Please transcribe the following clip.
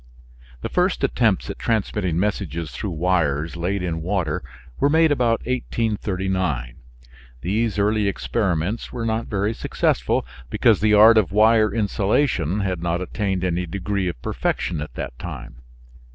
The first attempts at transmitting messages through wires laid in water were made about 1839. These early experiments were not very successful, because the art of wire insulation had not attained any degree of perfection at that time.